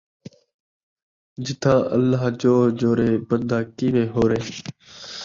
جتھاں اللہ جوڑ جوڑے، بندہ کیویں ہوڑے